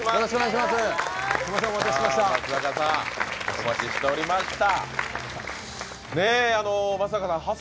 お待ちしておりました。